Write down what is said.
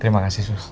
terima kasih sus